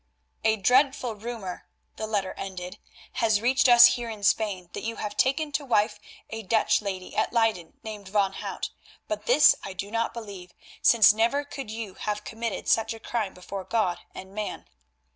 "A dreadful rumour," the letter ended, "has reached us here in Spain that you have taken to wife a Dutch lady at Leyden named Van Hout, but this I do not believe, since never could you have committed such a crime before God and man.